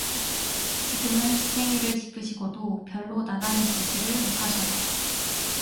지금은 지팽이를 짚으시고도 별로 나다니시지를 못하셔요.